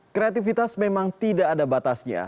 kreativitas memang tidak ada batasnya